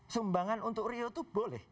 sumbangan untuk rio itu boleh